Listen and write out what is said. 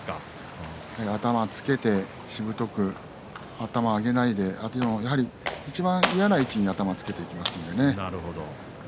頭をつけて、しぶとく頭を上げないでいちばん嫌な位置に頭をつけていきますからね。